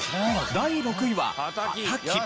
第６位はハタキ。